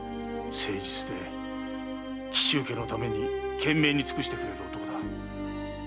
誠実で紀州家のために懸命に尽くしてくれる男だ。